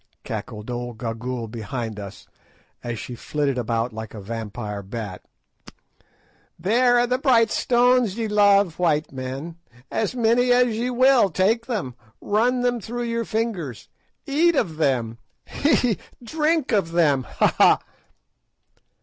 _" cackled old Gagool behind us, as she flitted about like a vampire bat. "There are the bright stones ye love, white men, as many as ye will; take them, run them through your fingers, eat of them, hee! hee! drink of them, _ha! ha!